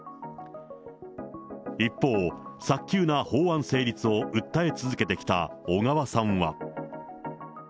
一方、早急な法案成立を訴え続けてきた小川さんは。